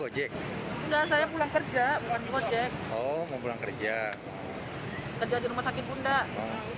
tidak ada rumah sakit pun tidak